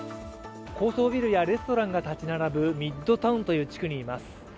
高層ビルやレストランが建ち並ぶミッドタウンという地区にいます。